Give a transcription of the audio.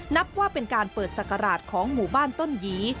นับว่าเป็นการเปิดศักราชของหมู่บ้านต้นหยี